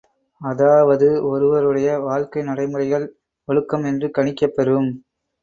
அதாவது ஒருவருடைய வாழ்க்கை நடைமுறைகள் ஒழுக்கம் என்று கணிக்கப்பெறும்.